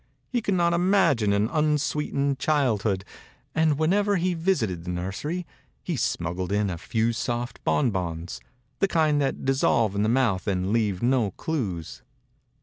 He could not imagine an unsweetened childhood, and whenever he visited the nursery he smuggled in a few soft bon bons — the kind that dissolve in the mouth and leave no clews.